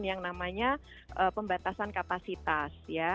yang namanya pembatasan kapasitas